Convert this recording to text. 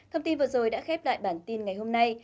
thông tin vừa rồi đã khép lại bản tin ngày hôm nay